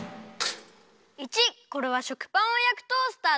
①！これは食パンをやくトースターだよ。